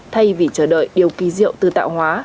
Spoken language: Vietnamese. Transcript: thay vì chờ đợi điều kỳ diệu từ tạo hóa